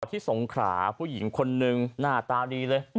ที่สงขราผู้หญิงคนนึงหน้าตาดีเลย